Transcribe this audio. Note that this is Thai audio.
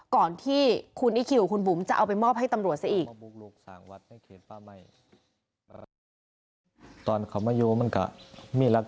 ก่อนที่คุณอีคิวกับคุณบุ๋มจะเอาไปมอบให้ตำรวจซะอีก